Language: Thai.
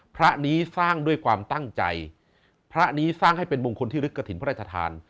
พระนี้สร้างด้วยความตั้งใจพระนี้สร้างให้เป็นมงคลที่ลึกกระถิ่นพระราชทาน